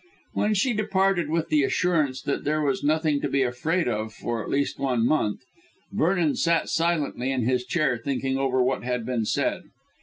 When she departed with the assurance that there was nothing to be afraid of for at least one month, Vernon sat silently in his chair, thinking over what had been said.